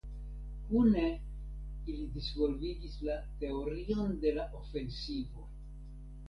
Kune ili disvolvigis la "teorion de la ofensivo".